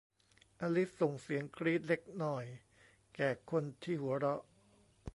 อลิซส่งเสียงกรี๊ดเล็กหน่อยแก่คนที่หัวเราะ